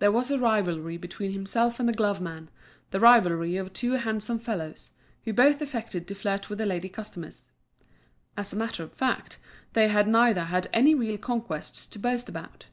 There was a rivalry between himself and the glove man, the rivalry of two handsome fellows, who both affected to flirt with the lady customers. As a matter of fact they had neither had any real conquests to boast about.